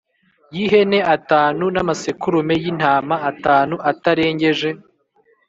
y ihene atanu n amasekurume y intama atanu atarengeje